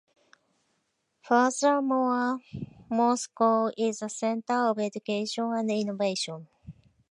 Furthermore, Moscow is a center for education and innovation.